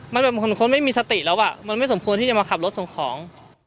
มันแบบเหมือนคนไม่มีสติแล้วอ่ะมันไม่สมควรที่จะมาขับรถส่งของ